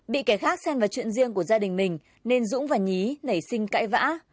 bị kẻ khác xem vào chuyện riêng của gia đình mình nên dũng và nhí nảy sinh cãi vã